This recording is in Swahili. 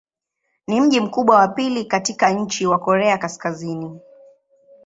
Ni mji mkubwa wa pili katika nchi wa Korea Kaskazini.